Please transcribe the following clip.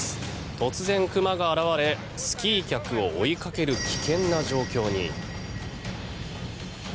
突然クマが現れスキー客を追いかける危険な状況に。